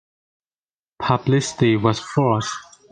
Publicity was froth.